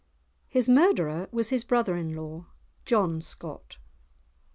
His murderer was his brother in law, John Scott.